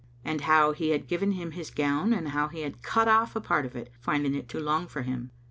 and how he had given him his gown and how he had cut off a part of it, finding it too long for him.